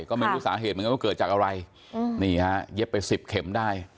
ก็ไม่รู้สาเหตุเหมือนกันว่าเกิดจากอะไรนี่ฮะเย็บไปสิบเข็มได้